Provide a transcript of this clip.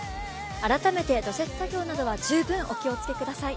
改めて除雪作業などは十分お気をつけください。